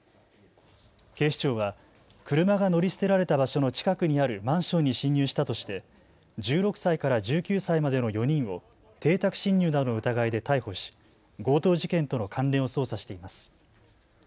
警視庁は車が乗り捨てられた場所の近くにあるマンションに侵入したとして１６歳から１９歳までの４人を邸宅侵入などの疑いで逮捕し強盗事件との関連を捜査しています。